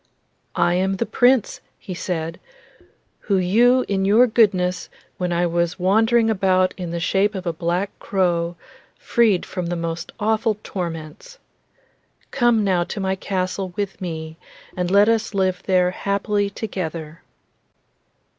'I am the Prince,' he said, 'who you in your goodness, when I was wandering about in the shape of a black crow, freed from the most awful torments. Come now to my castle with me, and let us live there happily together.